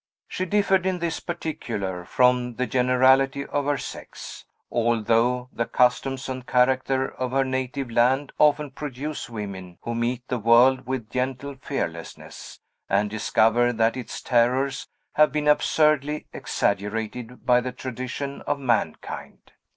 She differed, in this particular, from the generality of her sex, although the customs and character of her native land often produce women who meet the world with gentle fearlessness, and discover that its terrors have been absurdly exaggerated by the tradition of mankind.